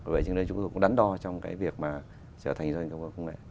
vậy cho nên chúng tôi cũng đắn đo trong cái việc mà trở thành doanh nghiệp khoa học công nghệ